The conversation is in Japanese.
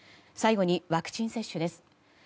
最後にワクチン接種です。